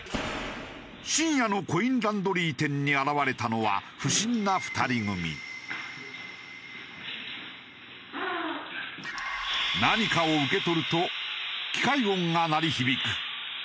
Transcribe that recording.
深夜のコインランドリー店に現れたのは何かを受け取ると機械音が鳴り響く。